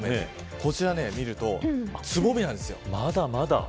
こちら見るとつぼみなんですよ。